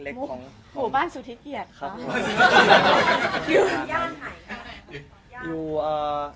หมู่บ้านสุทธิเกียจค่ะ